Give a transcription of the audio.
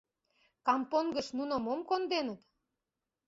— Кампонгыш нуно мом конденыт?